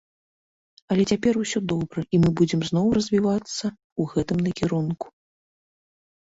Але цяпер усё добра, і мы будзем зноў развівацца ў гэтым накірунку.